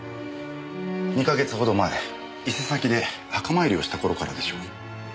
２か月ほど前伊勢崎で墓参りをした頃からでしょう。